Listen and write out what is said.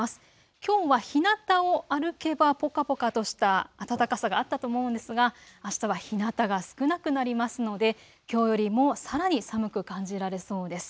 きょうはひなたを歩けばぽかぽかとした暖かさがあったと思うんですがあすはひなたが少なくなりますのできょうよりもさらに寒く感じられそうです。